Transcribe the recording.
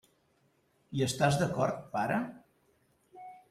Hi estàs d'acord, pare?